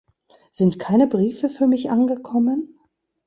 Sind keine Briefe für mich angekommen?